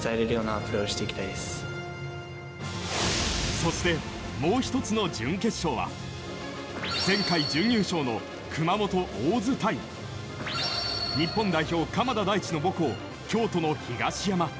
そして、もう１つの準決勝は前回準優勝の熊本・大津対日本代表、鎌田大地の母校京都の東山。